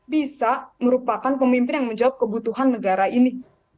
bisa merupakan pemimpin yang menjawab kebutuhan negara ini